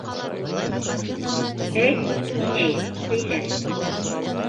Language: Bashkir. Әйт, инәй, һөйлә...